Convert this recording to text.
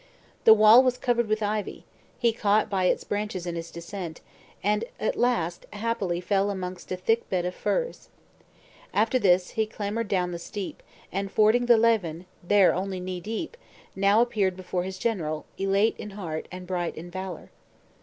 The wall was covered with ivy; he caught by its branches in his descent, and at last happily fell amongst a thick bed of furze. After this, he clambered down the steep, and fording the Leven (there only knee deep), now appeared before his general, elate in heart, and bright in valor.